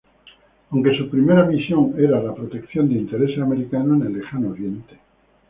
Aunque su primera misión era la protección de intereses americanos en el lejano oriente.